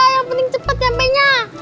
yang penting cepet nyampe nya